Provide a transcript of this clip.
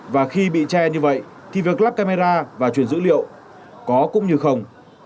và khi bị che như vậy thì việc lắp camera và truyền dữ liệu có cũng như không